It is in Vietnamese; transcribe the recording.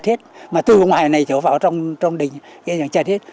chật hết mà từ ngoài này chỗ vào trong đình chật hết